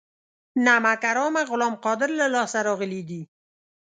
نمک حرامه غلام قادر له لاسه راغلي دي.